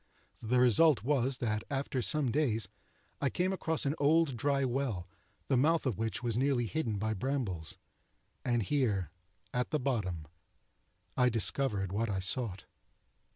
The result was that, after some days, I came across an old dry well, the mouth of which was nearly hidden by brambles; and here, at the bottom, I discovered what I sought.